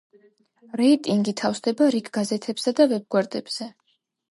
რეიტინგი თავსდება რიგ გაზეთებსა და ვებ–გვერდებზე.